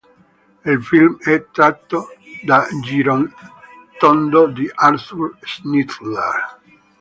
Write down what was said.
Il film è tratto da "Girotondo" di Arthur Schnitzler.